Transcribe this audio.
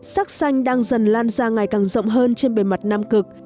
sắc xanh đang dần lan ra ngày càng rộng hơn trên bề mặt nam cực